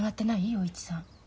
洋一さん。